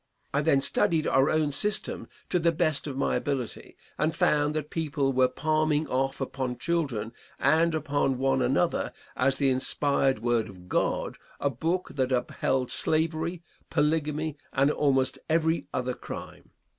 I then studied our own system to the best of my ability, and found that people were palming off upon children and upon one another as the inspired word of God a book that upheld slavery, polygamy and almost every other crime.